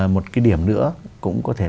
một cái điểm nữa cũng có thể là